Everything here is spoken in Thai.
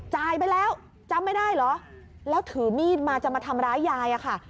จ่ายไปแล้วจำไม่ได้เหรอแล้วถือมีดมาจะมาทำร้ายยายอะค่ะ